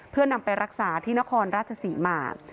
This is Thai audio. เพื่อนำไปรักษาที่นครราชศรีมา